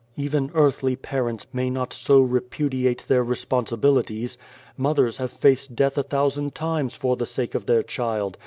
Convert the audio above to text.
Even earthly parents may not so re pudiate their responsibilities. Mothers have faced death a thousand times for the sake of their child.